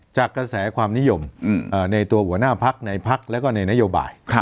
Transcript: จากกระแสความนิยมในตัวหัวหน้าพักในพักแล้วก็ในนโยบาย